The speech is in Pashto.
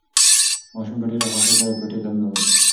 ماشوم په ډېرې خوښۍ سره کوټې ته ننوت.